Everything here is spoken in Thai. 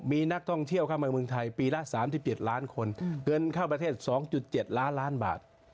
มีนักท่องเที่ยวเข้ามาเมืองไทยปีละ๓๗ล้านคนเงินเข้าประเทศ๒๗ล้านล้านบาท